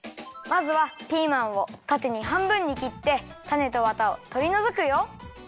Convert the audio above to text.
まずはピーマンをたてにはんぶんにきってたねとわたをとりのぞくよ。